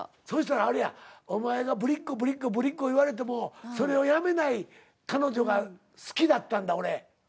そしたらあれやお前がぶりっ子ぶりっ子言われてもそれをやめない彼女が好きだったんだ俺。